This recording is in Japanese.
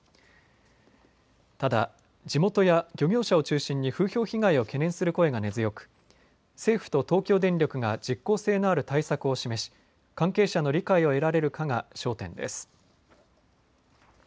ただ地元や漁業者を中心に風評被害を懸念する声が根強く、政府と東京電力が実効性のある対策を示し、関係者の理解を得られるかが焦点です。